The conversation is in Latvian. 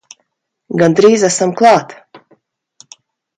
Gandrīz esam klāt!